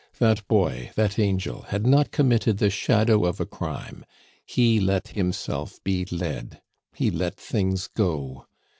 That boy, that angel, had not committed the shadow of a crime; he let himself be led, he let things go!